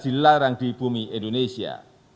dan di larang di bumi indonesia